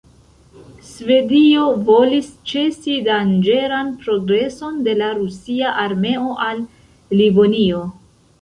Svedio volis ĉesi danĝeran progreson de la rusia armeo al Livonio.